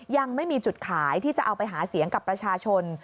ยังไม่มีจุดขายที่จะเอาไปหาเสียงกับประชาชน